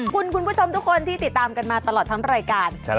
คุณผู้ชมทุกคนที่ติดตามกันมาตลอดทั้งรายการ